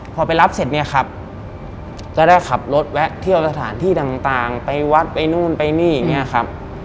พอไปรับเสร็จเนี่ยครับก็ได้ขับรถแวะเที่ยวสถานที่ต่างไปวัดไปนู่นไปนี่อย่างนี้ครับ